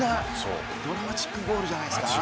ドラマチックゴールじゃないっすか？